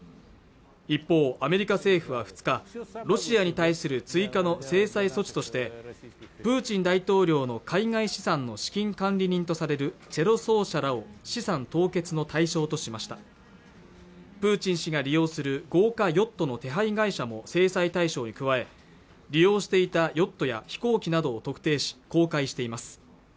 一方アメリカ政府は２日ロシアに対する追加の制裁措置としてプーチン大統領の海外資産の資金管理人とされるチェロ奏者らを資産凍結の対象としましたプーチン氏が利用する豪華ヨットの手配会社も制裁対象に加え利用していたヨットや飛行機などを特定し公開しています